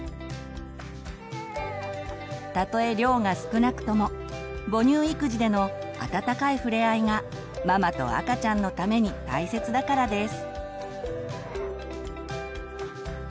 たとえ量が少なくとも母乳育児でのあたたかいふれあいがママと赤ちゃんのために大切だからです。